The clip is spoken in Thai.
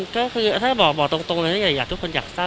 ก็ถ้าบอกตรงเลยนะทุกคนอยากเศร้า